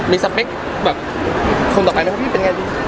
มีสเปคความต่อไปมั้ยครับพี่เป็นไงดี